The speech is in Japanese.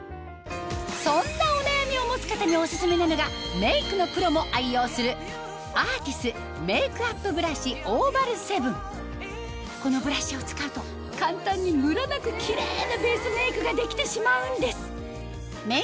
そんなお悩みを持つ方にオススメなのがメイクのプロも愛用するこのブラシを使うと簡単にムラなくキレイなベースメイクができてしまうんです！